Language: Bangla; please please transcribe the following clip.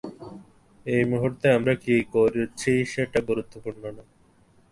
এই মুহূর্তে, আমরা কি করছি সেটা গুরুত্বপূর্ণ নয়।